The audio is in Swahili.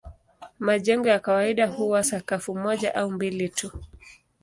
Majengo ya kawaida huwa sakafu moja au mbili tu.